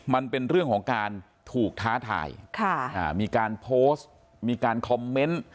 มันเป็นเรื่องของการถูกท้าทายมีการโพสต์มีการคอมเมนต์